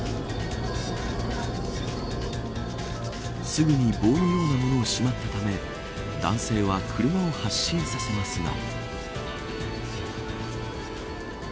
すぐに棒のような物をしまったため男性は車を発進させますが。